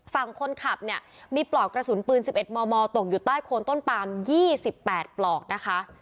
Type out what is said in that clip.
ฝั่งคนขับเนี่ยมีปลอกกระสุนปืน๑๑มมตกอยู่ใต้โคนต้นปาม๒๘ปลอกนะคะ